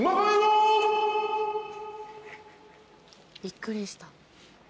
びっくりした。